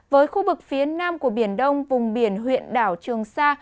với khu vực phía nam của biển đông vùng biển huyện đảo trường sa